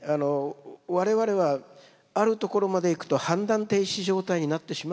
我々はあるところまで行くと判断停止状態になってしまうんですよ。